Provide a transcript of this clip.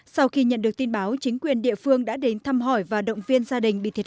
sau khi nhận được tin báo chính quyền địa phương đã đến thăm hỏi và động viên gia đình bị thiệt hại